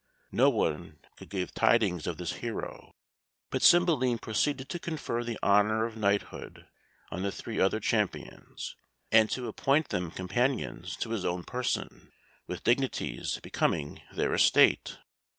No one could give tidings of this hero, but Cymbeline proceeded to confer the honour of knighthood on the three other champions, and to appoint them companions to his own person, with dignities becoming their estate.